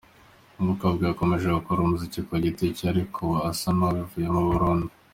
Umukobwa yakomeje gukora umuziki ku giti cye ariko ubu asa n’uwabivuyemo burundu.